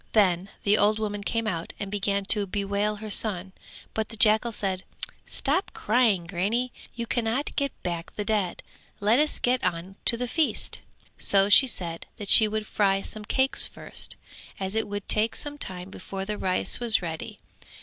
Then the old woman came out and began to bewail her son: but the jackal said "Stop crying, grannie, you cannot get back the dead: let us get on to the feast." So she said that she would fry some cakes first, as it would take some time before the rice was ready.